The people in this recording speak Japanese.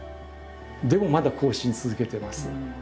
でもまだ交信続けてます。